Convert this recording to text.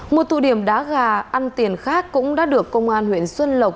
một tụ điểm đá gà ăn tiền khác cũng đã được công an huyện xuân lộc